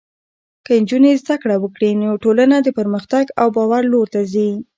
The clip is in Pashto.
که نجونې زده کړه وکړي، نو ټولنه د پرمختګ او باور لور ته ځي.